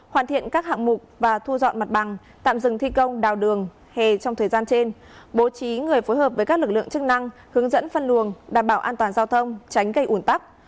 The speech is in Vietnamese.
hoàn thiện các hạng mục và thu dọn mặt bằng tạm dừng thi công đào đường hề trong thời gian trên bố trí người phối hợp với các lực lượng chức năng hướng dẫn phân luồng đảm bảo an toàn giao thông tránh gây ủn tắc